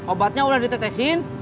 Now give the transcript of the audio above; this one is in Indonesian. obatnya udah ditetesin